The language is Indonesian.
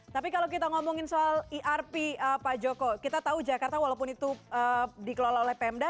tapi kalau kita ngomongin soal irp pak joko kita tahu jakarta walaupun itu dikelola oleh pemda